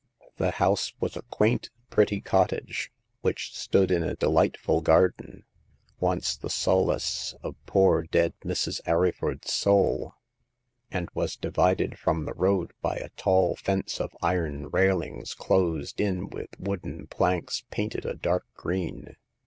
The house was a quaint, pretty cottage, which stood in a delightful garden — once the solace of poor dead Mrs. Arryford's soul — and was divided from the road by a tall fence of iron railings closed in with wooden planks painted a dark green.